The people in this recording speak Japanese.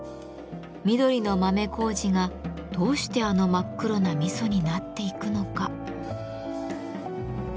緑の豆麹がどうしてあの真っ黒な味噌になっていくのか。